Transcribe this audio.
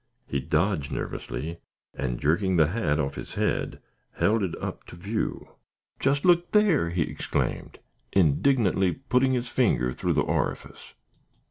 He dodged nervously, and jerking the hat off his head, held it up to view. "Just look there!" he exclaimed, indignantly, putting his finger through the orifice.